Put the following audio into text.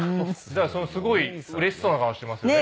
すごいうれしそうな顔してますよね。